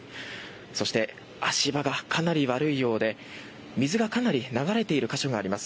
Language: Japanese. そして足場がかなり悪いようで水がかなり流れている箇所があります。